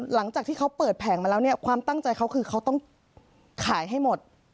หลังจากที่เขาเปิดแผงมาแล้วเนี่ยความตั้งใจเขาคือเขาต้องขายให้หมด